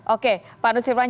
oke pak nusirwan